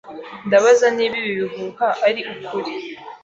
Ndabaza niba ibi bihuha ari ukuri.